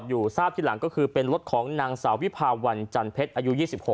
ทราบทีหลังก็คือเป็นรถของนางสาววิภาวันจันเพชรอายุ๒๖